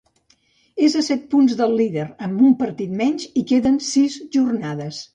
És a set punts del líder, amb un partit menys, i queden sis jornades.